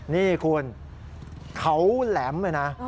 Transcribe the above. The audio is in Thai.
นี่คุณเขาแหลมเลยนะ